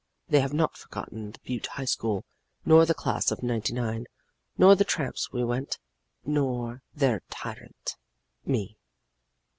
They have not forgotten the Butte High School, nor the class of ninety nine, nor the tramps we went, nor their tyrant, me.